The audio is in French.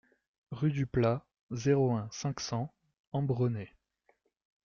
Rue du Plat, zéro un, cinq cents Ambronay